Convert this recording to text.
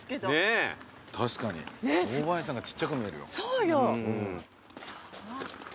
そうよ。